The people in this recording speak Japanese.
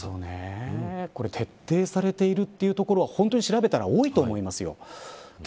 徹底されているというところは本当に調べたら多いと思いますよ。